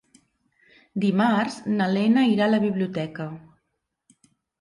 Dimarts na Lena irà a la biblioteca.